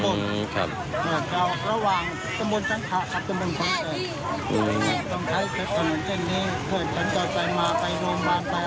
ก็จะเป็นสบายทั้งหน้ามันคงจะอยู่นี่มันคงจะสะดวกสบายขึ้น